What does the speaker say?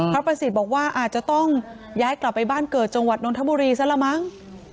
พระประสิทธิ์บอกว่าอาจจะต้องย้ายกลับไปบ้านเกิดจังหวัดนทบุรีซะละมั้ง